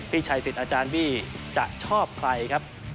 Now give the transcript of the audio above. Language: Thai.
ชัยสิทธิ์อาจารย์บี้จะชอบใครครับ